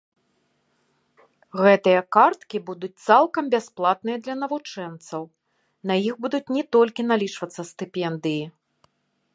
Гэтыя карткі будуць цалкам бясплатныя для навучэнцаў, на іх будуць не толькі налічвацца стыпендыі.